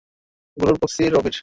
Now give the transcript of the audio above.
গুরুর প্রক্সি, রবির!